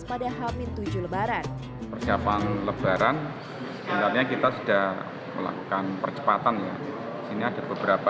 pada hamin tujuh lebaran persiapan lebaran sebenarnya kita sudah melakukan percepatan ya sini ada beberapa